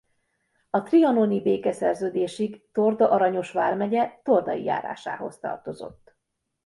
A trianoni békeszerződésig Torda-Aranyos vármegye tordai járásához tartozott.